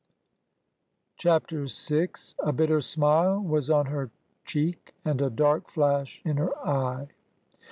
21 CHAPTER VI. " A bitter smile was on her cheek, And a dark flash in her eye."